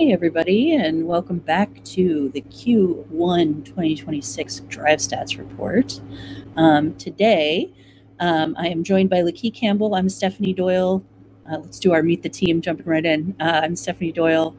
Hi, everybody, welcome back to the Q1 2026 Drive Stats report. Today, I am joined by Laquie Campbell. I'm Stephanie Doyle. Let's do our meet the team, jumping right in. I'm Stephanie Doyle,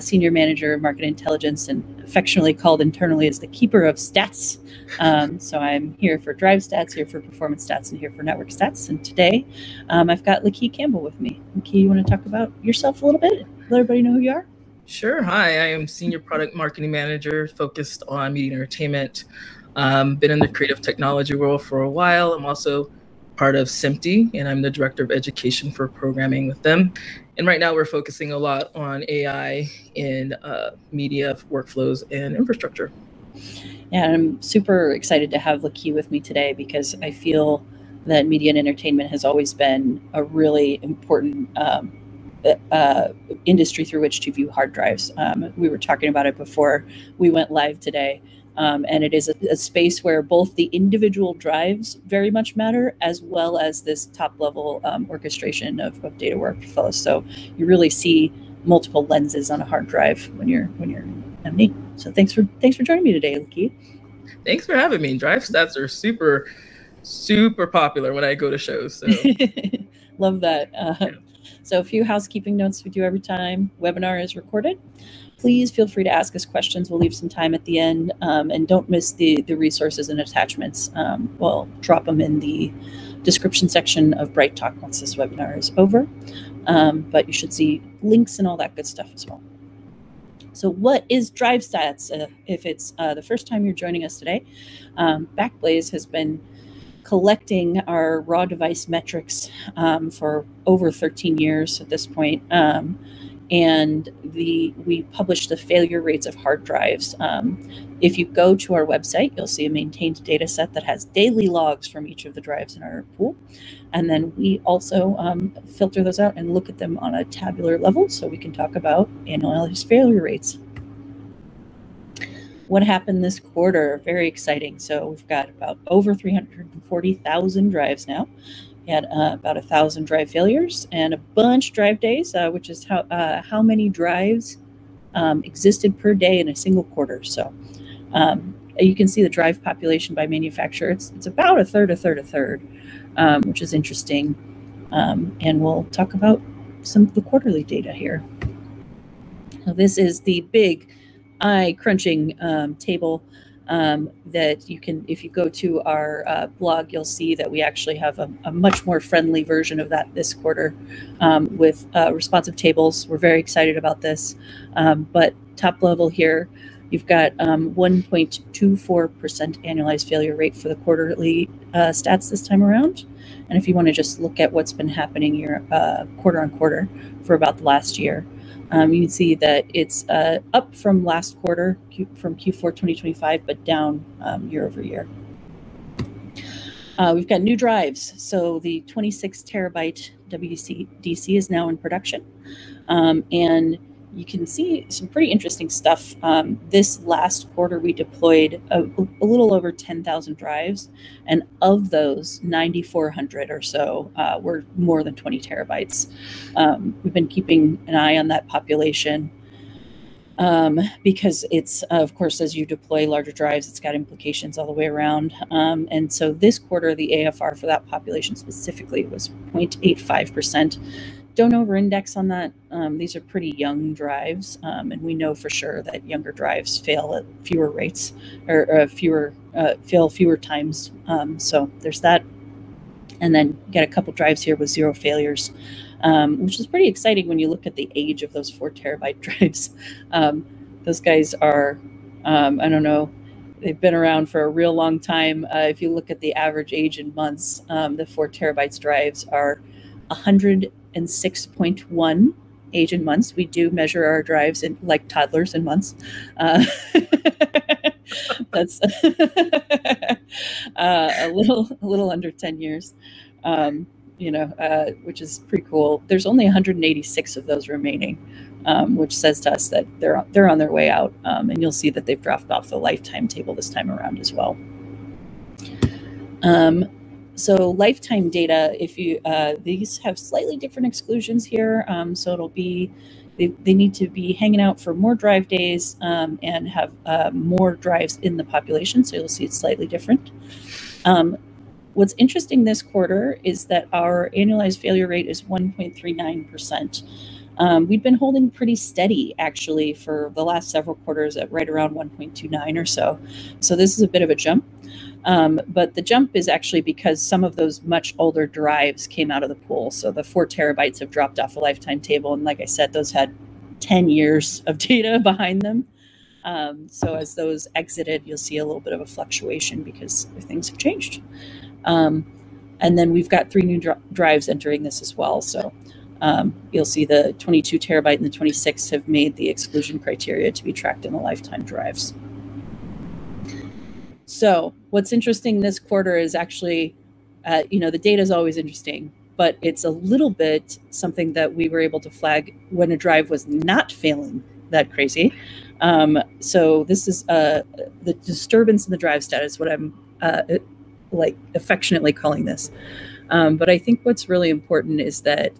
Senior Manager of Market Intelligence, affectionately called internally as the keeper of stats. I'm here for Drive Stats, here for performance stats, and here for network stats. Today, I've got Laquie Campbell with me. Laquie, you want to talk about yourself a little bit? Let everybody know who you are? Sure. Hi, I am Senior Product Marketing Manager focused on Media & Entertainment. Been in the creative technology role for a while. I'm also part of SMPTE, I'm the Director of Education for programming with them. Right now we're focusing a lot on AI in media workflows and infrastructure. I'm super excited to have Laquie with me today because I feel that Media & Entertainment has always been a really important industry through which to view hard drives. We were talking about it before we went live today, it is a space where both the individual drives very much matter, as well as this top-level orchestration of data workflows. You really see multiple lenses on a hard drive when you're in media. Thanks for joining me today, Laquie. Thanks for having me. Drive Stats are super popular when I go to shows. Love that. A few housekeeping notes we do every time. Webinar is recorded. Please feel free to ask us questions. We'll leave some time at the end. Don't miss the resources and attachments. We'll drop them in the description section of BrightTALK once this webinar is over. You should see links and all that good stuff as well. What is Drive Stats? If it's the first time you're joining us today, Backblaze has been collecting our raw device metrics for over 13 years at this point, and we publish the failure rates of hard drives. If you go to our website, you'll see a maintained data set that has daily logs from each of the drives in our pool, and then we also filter those out and look at them on a tabular level so we can talk about annualized failure rates. What happened this quarter, very exciting. We've got about over 340,000 drives now. We had about 1,000 drive failures and a bunch drive days, which is how many drives existed per day in a single quarter. You can see the drive population by manufacturer. It's about a third, a third, a third, which is interesting. We'll talk about some of the quarterly data here. This is the big eye-crunching table that if you go to our blog, you'll see that we actually have a much more friendly version of that this quarter with responsive tables. We're very excited about this. Top level here, you've got 1.24% annualized failure rate for the quarterly stats this time around. If you want to just look at what's been happening quarter-on-quarter for about the last year, you can see that it's up from last quarter, from Q4 2025, but down year-over-year. We've got new drives. The 26 terabyte WDC is now in production. You can see some pretty interesting stuff. This last quarter, we deployed a little over 10,000 drives, and of those, 9,400 or so were more than 20 terabytes. We've been keeping an eye on that population because of course, as you deploy larger drives, it's got implications all the way around. This quarter, the AFR for that population specifically was 0.85%. Don't over-index on that. These are pretty young drives. We know for sure that younger drives fail fewer times. There's that. You get a couple drives here with zero failures, which is pretty exciting when you look at the age of those four terabyte drives. Those guys are, I don't know, they've been around for a real long time. If you look at the average age in months, the four terabytes drives are 106.1 age in months. We do measure our drives in toddlers in months. That's a little under 10 years, which is pretty cool. There's only 186 of those remaining, which says to us that they're on their way out, and you'll see that they've dropped off the lifetime table this time around as well. Lifetime data, these have slightly different exclusions here. They need to be hanging out for more drive days, and have more drives in the population. You'll see it's slightly different. What's interesting this quarter is that our annualized failure rate is 1.39%. We've been holding pretty steady, actually, for the last several quarters at right around 1.29% or so. This is a bit of a jump. The jump is actually because some of those much older drives came out of the pool. The four terabytes have dropped off a lifetime table, and like I said, those had 10 years of data behind them. As those exited, you'll see a little bit of a fluctuation because things have changed. We've got three new drives entering this as well. You'll see the 22 terabyte and the 26 have made the exclusion criteria to be tracked in the lifetime drives. What's interesting this quarter is actually, the data's always interesting, but it's a little bit something that we were able to flag when a drive was not failing that crazy. This is the disturbance in the Drive Stats, what I'm affectionately calling this. I think what's really important is that,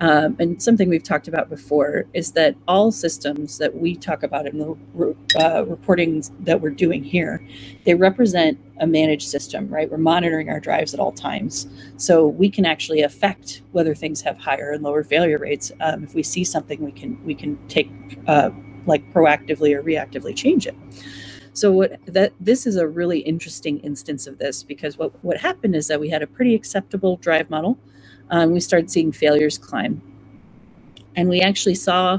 and something we've talked about before, is that all systems that we talk about in the reportings that we're doing here, they represent a managed system, right? We're monitoring our drives at all times. We can actually affect whether things have higher and lower failure rates. If we see something, we can take proactively or reactively change it. This is a really interesting instance of this, because what happened is that we had a pretty acceptable drive model, and we started seeing failures climb. We actually saw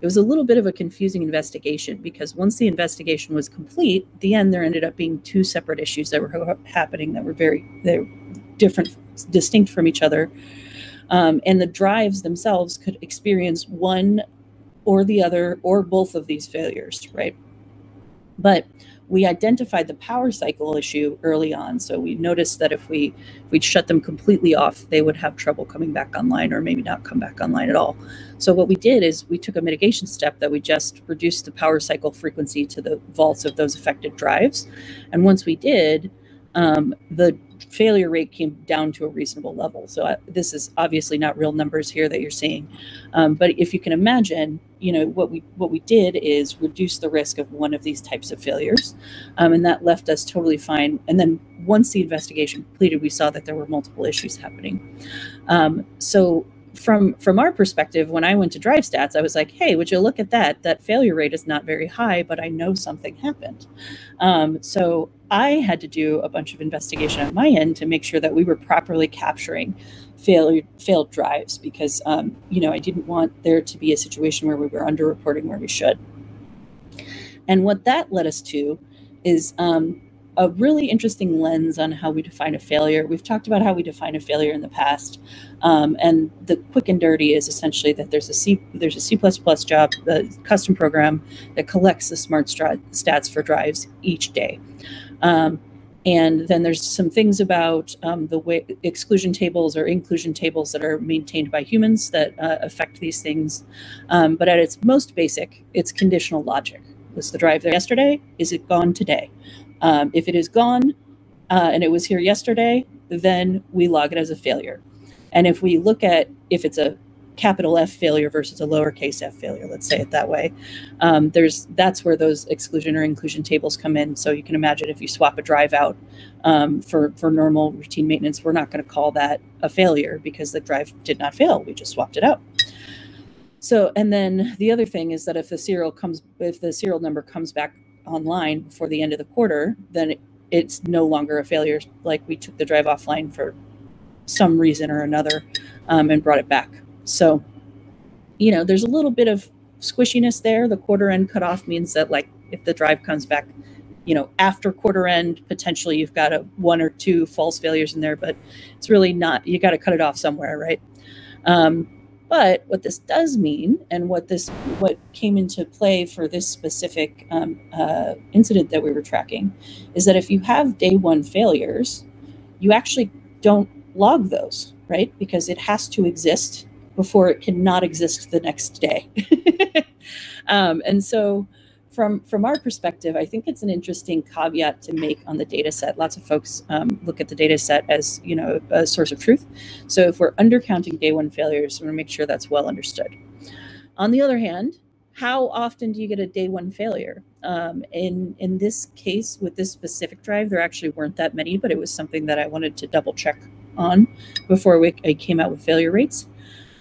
it was a little bit of a confusing investigation, because once the investigation was complete, at the end there ended up being two separate issues that were happening that were very distinct from each other. The drives themselves could experience one or the other, or both of these failures, right? We identified the power cycle issue early on. We noticed that if we'd shut them completely off, they would have trouble coming back online or maybe not come back online at all. What we did is we took a mitigation step that we just reduced the power cycle frequency to the vaults of those affected drives. Once we did, the failure rate came down to a reasonable level. This is obviously not real numbers here that you're seeing. If you can imagine, what we did is reduce the risk of one of these types of failures. That left us totally fine. Once the investigation completed, we saw that there were multiple issues happening. From our perspective, when I went to Drive Stats, I was like, "Hey, would you look at that? That failure rate is not very high, but I know something happened." I had to do a bunch of investigation on my end to make sure that we were properly capturing failed drives because I didn't want there to be a situation where we were under-reporting where we should. What that led us to is a really interesting lens on how we define a failure. We've talked about how we define a failure in the past. The quick and dirty is essentially that there's a C++ job, the custom program that collects the SMART stats for drives each day. There's some things about the exclusion tables or inclusion tables that are maintained by humans that affect these things. At its most basic, it's conditional logic. Was the drive there yesterday? Is it gone today? If it is gone and it was here yesterday, we log it as a failure. If we look at if it's a capital F failure versus a lowercase F failure, let's say it that way, that's where those exclusion or inclusion tables come in. You can imagine if you swap a drive out for normal routine maintenance, we're not going to call that a failure because the drive did not fail. We just swapped it out. The other thing is that if the serial number comes back online before the end of the quarter, it's no longer a failure. We took the drive offline for some reason or another and brought it back. There's a little bit of squishiness there. The quarter end cutoff means that if the drive comes back after quarter end, potentially you've got one or two false failures in there, you got to cut it off somewhere, right? What this does mean and what came into play for this specific incident that we were tracking is that if you have day one failures, you actually don't log those, right? Because it has to exist before it can not exist the next day. From our perspective, I think it's an interesting caveat to make on the dataset. Lots of folks look at the dataset as a source of truth. If we're undercounting day one failures, we want to make sure that's well understood. On the other hand, how often do you get a day one failure? In this case, with this specific drive, there actually weren't that many, it was something that I wanted to double-check on before I came out with failure rates.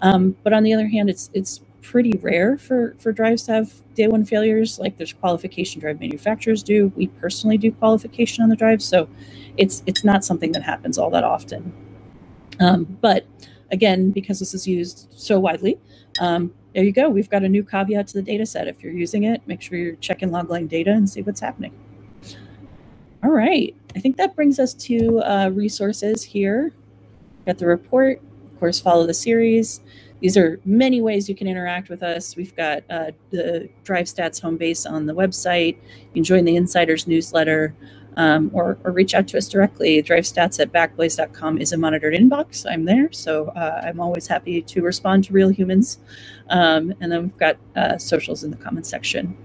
On the other hand, it's pretty rare for drives to have day one failures. There's qualification drive manufacturers do. We personally do qualification on the drives. It's not something that happens all that often. Again, because this is used so widely, there you go. We've got a new caveat to the dataset. If you're using it, make sure you're checking logline data and see what's happening. All right. I think that brings us to resources here. Got the report. Of course, follow the series. These are many ways you can interact with us. We've got the Drive Stats home base on the website. You can join the Insider's Newsletter or reach out to us directly. DriveStats@backblaze.com is a monitored inbox. I'm there. I'm always happy to respond to real humans. We've got socials in the comment section.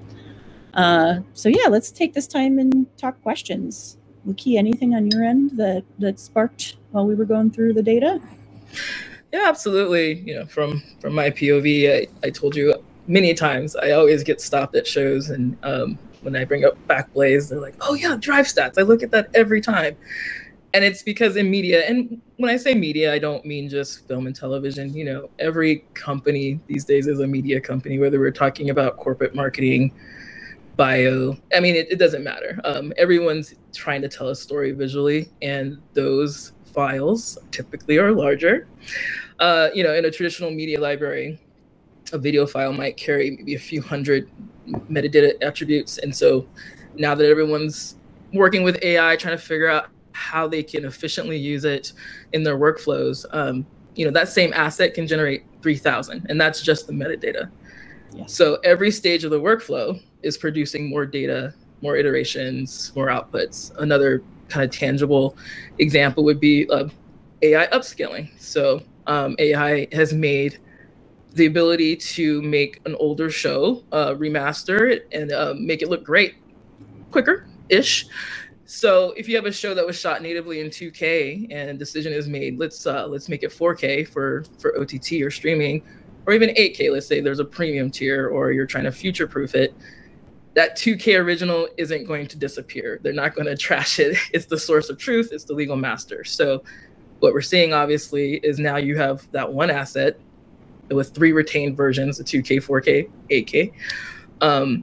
Yeah. Let's take this time and talk questions. Laquie, anything on your end that sparked while we were going through the data? Yeah, absolutely. From my POV, I told you many times, I always get stopped at shows and when I bring up Backblaze, they're like, "Oh, yeah, Drive Stats. I look at that every time." It's because in media, and when I say media, I don't mean just film and television. Every company these days is a media company, whether we're talking about corporate marketing, bio. It doesn't matter. Everyone's trying to tell a story visually, and those files typically are larger. In a traditional media library, a video file might carry maybe a few hundred metadata attributes. Now that everyone's working with AI, trying to figure out how they can efficiently use it in their workflows, that same asset can generate 3,000, and that's just the metadata. Yeah. Every stage of the workflow is producing more data, more iterations, more outputs. Another tangible example would be of AI upscaling. AI has made the ability to make an older show, remaster it, and make it look great quicker-ish. If you have a show that was shot natively in 2K and a decision is made, let's make it 4K for OTT or streaming, or even 8K. Let's say there's a premium tier or you're trying to future-proof it. That 2K original isn't going to disappear. They're not going to trash it. It's the source of truth. It's the legal master. What we're seeing obviously is now you have that one asset with three retained versions, the 2K, 4K, 8K.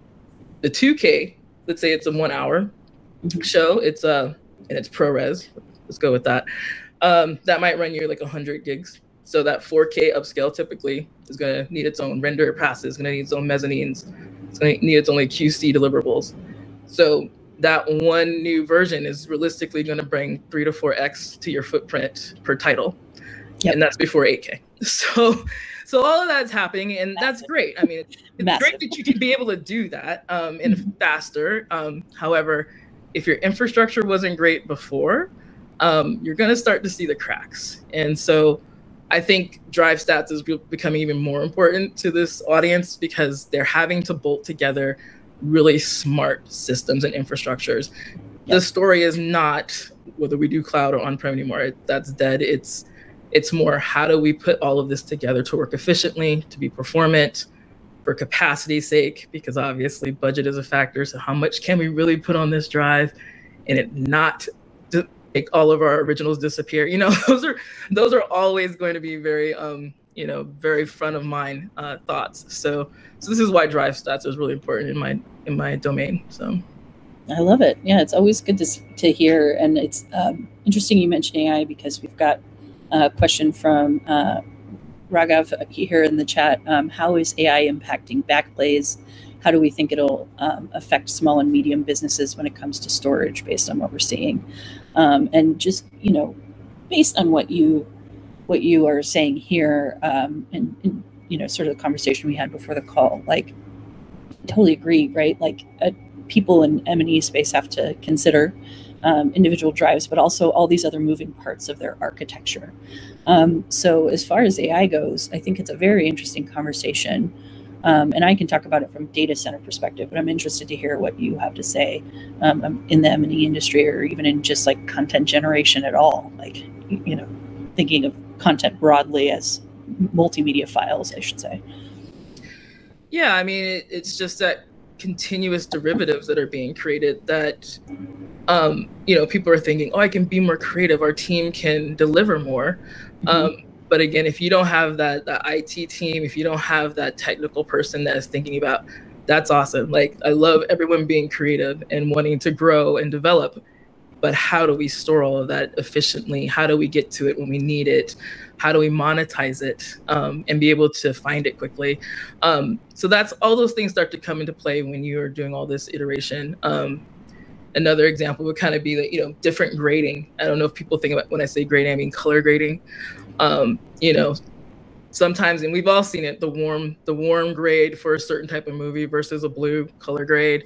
The 2K, let's say it's a one-hour show, and it's ProRes. Let's go with that. That might run you like 100 gigs. That 4K upscale typically is going to need its own render passes, going to need its own mezzanines, it's going to need its own QC deliverables. That one new version is realistically going to bring 3 to 4x to your footprint per title. Yeah. That's before 8K. All of that's happening, and that's great. The best. I mean, it's great that you can be able to do that, and faster. However, if your infrastructure wasn't great before, you're going to start to see the cracks. I think Drive Stats is becoming even more important to this audience because they're having to bolt together really smart systems and infrastructures. Yeah. The story is not whether we do cloud or on-prem anymore. That's dead. It's more, how do we put all of this together to work efficiently, to be performant for capacity's sake? Because obviously budget is a factor, how much can we really put on this drive and it not make all of our originals disappear? Those are always going to be very front-of-mind thoughts. This is why Drive Stats is really important in my domain. I love it. Yeah, it's always good to hear, and it's interesting you mention AI because we've got a question from Raghav here in the chat. How is AI impacting Backblaze? How do we think it'll affect small and medium businesses when it comes to storage based on what we're seeing? Just based on what you are saying here, and sort of the conversation we had before the call, I totally agree, right? People in M&E space have to consider individual drives, but also all these other moving parts of their architecture. As far as AI goes, I think it's a very interesting conversation. I can talk about it from data center perspective, but I'm interested to hear what you have to say in the M&E industry or even in just content generation at all. Thinking of content broadly as multimedia files, I should say. Yeah, it's just that continuous derivatives that are being created that people are thinking, "Oh, I can be more creative. Our team can deliver more. Again, if you don't have that IT team, if you don't have that technical person that is thinking about, that's awesome. I love everyone being creative and wanting to grow and develop, but how do we store all of that efficiently? How do we get to it when we need it? How do we monetize it, and be able to find it quickly? All those things start to come into play when you are doing all this iteration. Another example would kind of be different grading. I don't know if people think about when I say grading, I mean color grading. Sometimes, and we've all seen it, the warm grade for a certain type of movie versus a blue color grade.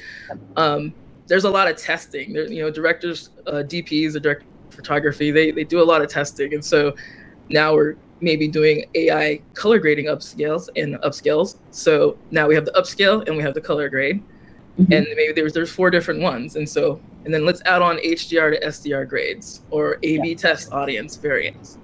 There's a lot of testing. Directors, DPs, the director of photography, they do a lot of testing. Now we're maybe doing AI color grading upscales. Now we have the upscale and we have the color grade. Maybe there's four different ones. Let's add on HDR to SDR grades- Yeah A/B test audience variants.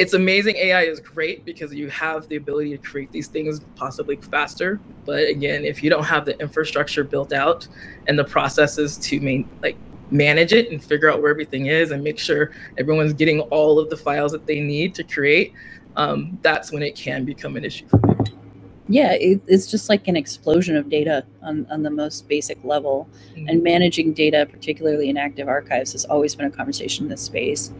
It's amazing. AI is great because you have the ability to create these things possibly faster. Again, if you don't have the infrastructure built out and the processes to manage it and figure out where everything is and make sure everyone's getting all of the files that they need to create, that's when it can become an issue. It's just like an explosion of data on the most basic level. Managing data, particularly in active archives, has always been a conversation in this space.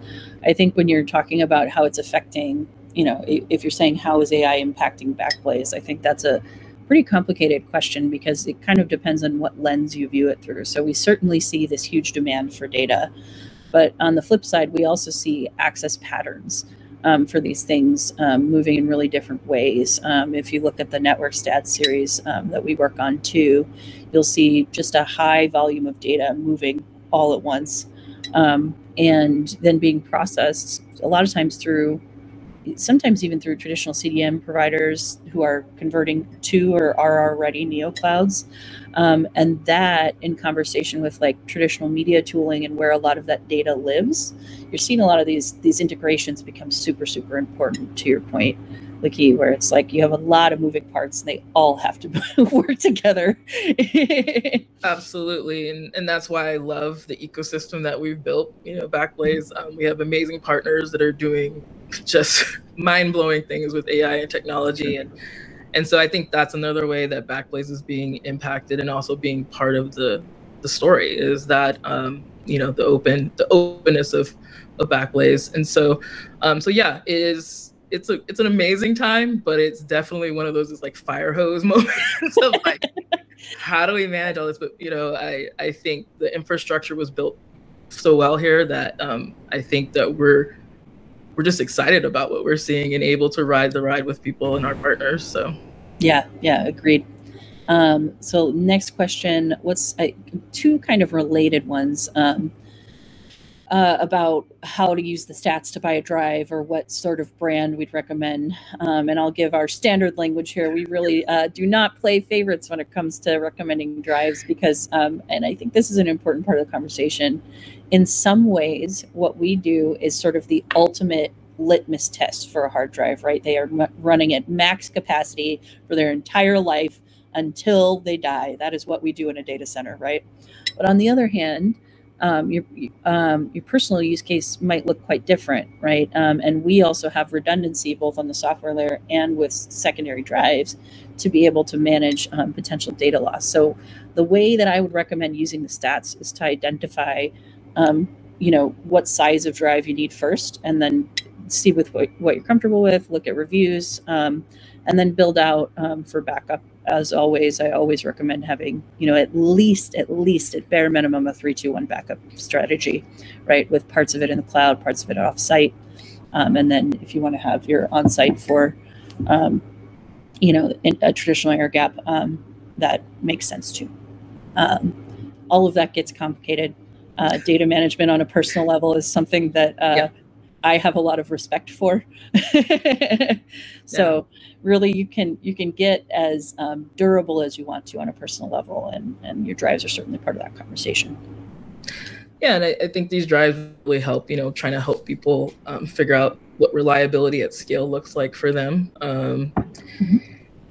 I think when you're talking about how it's affecting, if you're saying how is AI impacting Backblaze, I think that's a pretty complicated question because it kind of depends on what lens you view it through. We certainly see this huge demand for data. On the flip side, we also see access patterns for these things moving in really different ways. If you look at the network stat series that we work on too, you'll see just a high volume of data moving all at once, and then being processed a lot of times through, sometimes even through traditional CDN providers who are converting to or are already neo clouds. That, in conversation with traditional media tooling and where a lot of that data lives, you're seeing a lot of these integrations become super important to your point, Laquie, where it's like you have a lot of moving parts, and they all have to work together. Absolutely. That's why I love the ecosystem that we've built, Backblaze. We have amazing partners that are doing just mind-blowing things with AI and technology. I think that's another way that Backblaze is being impacted and also being part of the story, is that the openness of Backblaze. Yeah, it's an amazing time, but it's definitely one of those fire hose moments of how do we manage all this? I think the infrastructure was built so well here that I think that we're just excited about what we're seeing and able to ride the ride with people and our partners. Yeah. Agreed. Next question, two kind of related ones. About how to use the stats to buy a drive or what sort of brand we'd recommend. I'll give our standard language here. We really do not play favorites when it comes to recommending drives because, and I think this is an important part of the conversation, in some ways, what we do is sort of the ultimate litmus test for a hard drive. They are running at max capacity for their entire life until they die. That is what we do in a data center. On the other hand, your personal use case might look quite different. We also have redundancy both on the software layer and with secondary drives to be able to manage potential data loss. The way that I would recommend using the stats is to identify what size of drive you need first, and then see with what you're comfortable with, look at reviews, and then build out for backup. As always, I always recommend having at least, at bare minimum, a 3-2-1 backup strategy. With parts of it in the cloud, parts of it offsite. If you want to have your onsite for a traditional air gap, that makes sense, too. All of that gets complicated. Data management on a personal level is something that. Yeah I have a lot of respect for. Yeah. really, you can get as durable as you want to on a personal level and your drives are certainly part of that conversation. I think these drives really help, trying to help people figure out what reliability at scale looks like for them.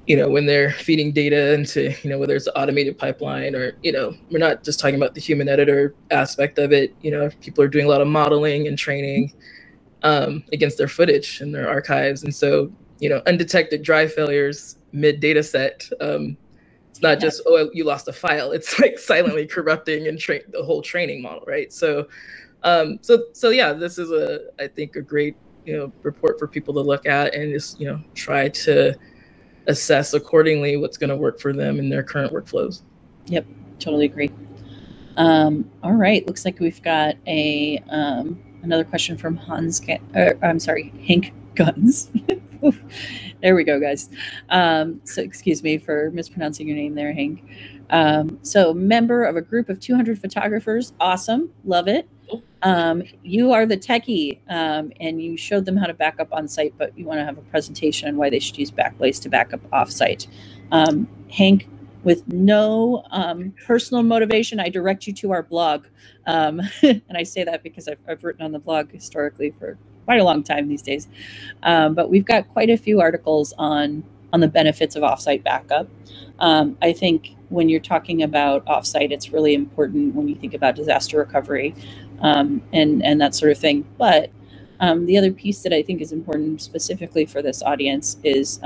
When they're feeding data into, whether it's automated pipeline or, we're not just talking about the human editor aspect of it. If people are doing a lot of modeling and training against their footage and their archives. undetected drive failures, mid-data set. It's not just. Yeah you lost a file. It's like silently corrupting and the whole training model, right? yeah. This is, I think, a great report for people to look at and just try to assess accordingly what's going to work for them in their current workflows. Yep. Totally agree. All right. Looks like we've got another question from Hank Guns. There we go, guys. Excuse me for mispronouncing your name there, Hank. Member of a group of 200 photographers. Awesome. Love it. Cool. You are the techie, and you showed them how to back up on-site, but you want to have a presentation on why they should use Backblaze to back up off-site. Hank, with no personal motivation, I direct you to our blog. I say that because I've written on the blog historically for quite a long time these days. We've got quite a few articles on the benefits of off-site backup. I think when you're talking about off-site, it's really important when we think about disaster recovery, and that sort of thing. The other piece that I think is important specifically for this audience is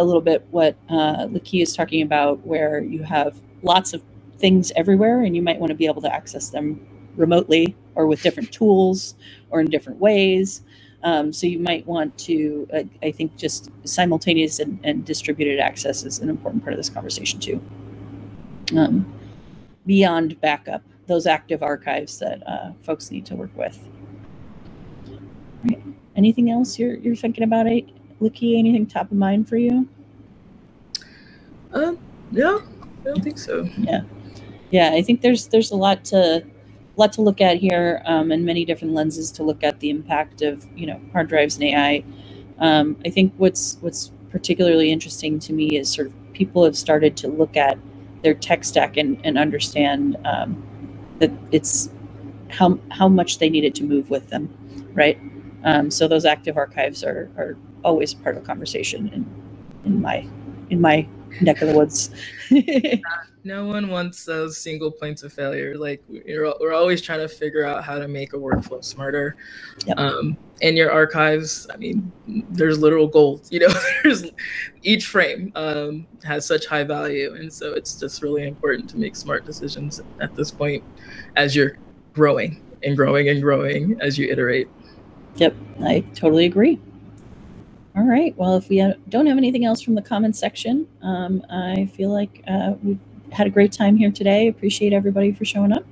a little bit what Ryan is talking about, where you have lots of things everywhere and you might want to be able to access them remotely or with different tools or in different ways. You might want to, I think just simultaneous and distributed access is an important part of this conversation, too. Beyond backup, those active archives that folks need to work with. Right. Anything else you're thinking about, Laquie? Anything top of mind for you? No, I don't think so. Yeah. I think there's a lot to look at here, and many different lenses to look at the impact of hard drives and AI. I think what's particularly interesting to me is people have started to look at their tech stack and understand how much they need it to move with them. Right? Those active archives are always part of the conversation in my neck of the woods. Yeah. No one wants those single points of failure. We're always trying to figure out how to make a workflow smarter. Yep. In your archives, there's literal gold. Each frame has such high value, it's just really important to make smart decisions at this point as you're growing as you iterate. Yep. I totally agree. All right. Well, if we don't have anything else from the comments section, I feel like we've had a great time here today. Appreciate everybody for showing up.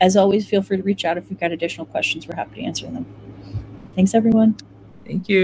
As always, feel free to reach out if you've got additional questions. We're happy to answer them. Thanks everyone. Thank you.